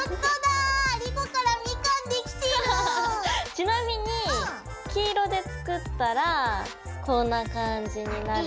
ちなみに黄色で作ったらこんな感じになる。